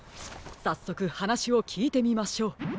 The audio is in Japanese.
さっそくはなしをきいてみましょう。